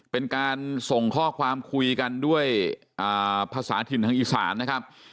เป็นการส่งข้อความคุยกันด้วยภาษาถิ่นทางอีสานนะครับ